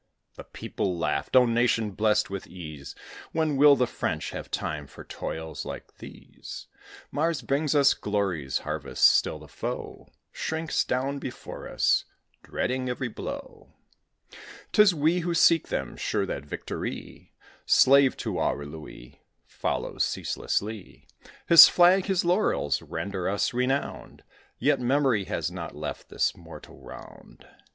The people laughed oh, nation blessed with ease, When will the French have time for toils like these? Mars brings us glory's harvests; still the foe Shrinks down before us, dreading every blow; 'Tis we who seek them, sure that victory, Slave to our Louis, follows ceaselessly His flag; his laurels render us renowned: Yet memory has not left this mortal round.